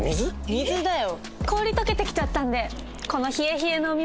水だよ。